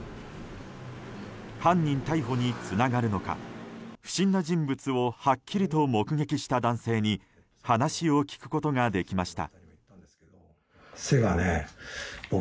犯人逮捕につながるのか不審な人物をはっきりと目撃した男性に話を聞くことができました。